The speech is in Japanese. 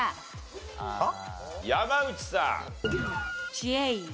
山内さん。